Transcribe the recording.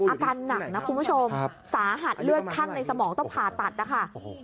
อาการหนักนะคุณผู้ชมสาหัสเลือดข้างในสมองต้องผ่าตัดนะคะ